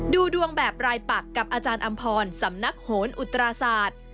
ดูดวงแบบรายปักกับอาจารย์อำพรสำนักโหนอุตราศาสตร์